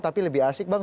tapi lebih asik bang